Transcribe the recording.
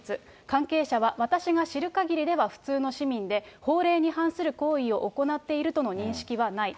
関係者は私が知るかぎりでは普通の市民で、法令に反する行為を行っているとの認識はない。